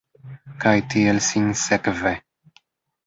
Kaj tiel sinsekve.